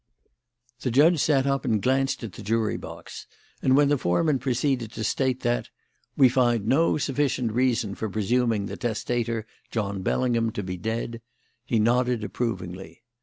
The judge sat up and glanced at the jury box, and when the foreman proceeded to state that "We find no sufficient reason for presuming the testator, John Bellingham, to be dead," he nodded approvingly.